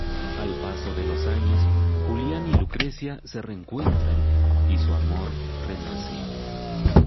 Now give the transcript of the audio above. Al paso de los años, Julián y Lucrecia se reencuentran y su amor renace.